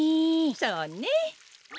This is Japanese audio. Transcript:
そうね。